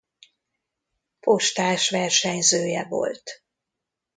Postás versenyzője volt.